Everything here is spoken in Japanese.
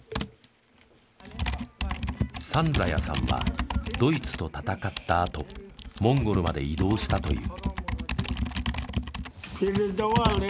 サンザヤさんはドイツと戦ったあとモンゴルまで移動したという。